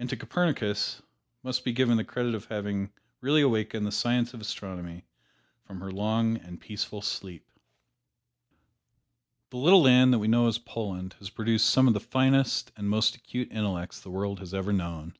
And to Copernicus must be given the credit of having really awakened the science of astronomy from her long and peaceful sleep. The little land that we know as Poland has produced some of the finest and most acute intellects the world has ever known.